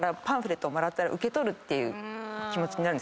ていう気持ちになるんですね。